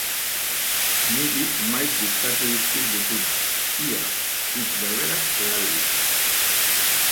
Niri maiz diktatu dizkit gutunak, ia hitz berberak erabiliz.